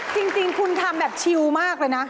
จริงคุณทำแบบชิลมากเลยนะ